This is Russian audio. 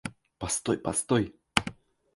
Постой, постой!